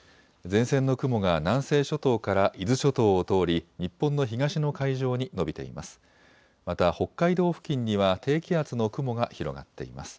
前線の雲が南西諸島から伊豆諸島を通り日本の東の海上に延びています。